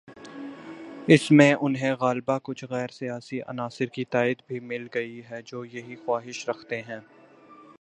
اس میں انہیں غالباکچھ غیر سیاسی عناصر کی تائید بھی مل گئی ہے" جو یہی خواہش رکھتے ہیں۔